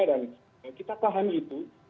dan kita pahami itu